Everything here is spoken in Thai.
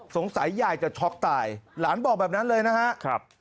ยายจะช็อกตายหลานบอกแบบนั้นเลยนะครับ